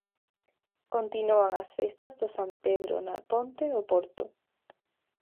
Continúan as festas do San Pedro na Ponte do Porto.